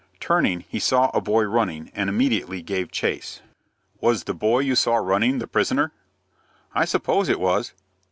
Turning, he saw a boy running, and immediately gave chase. "Was the boy you saw running the prisoner?" "I suppose it was."